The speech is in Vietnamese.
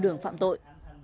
đường phạm tội